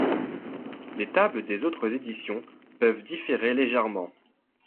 Les tables des autres éditions peuvent différer légèrement.